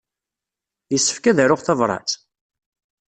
Yessefk ad aruɣ tabṛat?